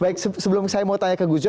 baik sebelum saya mau tanya ke gus coy